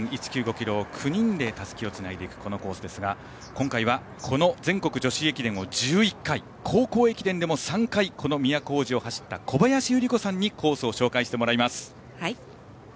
ｋｍを９人でたすきをつないでいくこのコースですが今回はこの全国女子駅伝を１１回、高校駅伝でも３回この都大路を走った小林祐梨子さんにコースを紹介してもらいます。